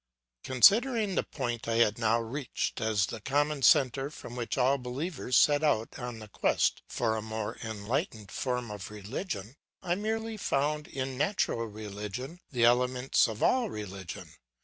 "Considering the point I had now reached as the common centre from which all believers set out on the quest for a more enlightened form of religion, I merely found in natural religion the elements of all religion.